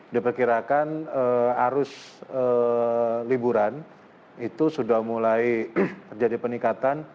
diperkirakan arus liburan itu sudah mulai terjadi peningkatan